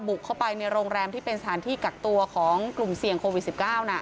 เข้าไปในโรงแรมที่เป็นสถานที่กักตัวของกลุ่มเสี่ยงโควิด๑๙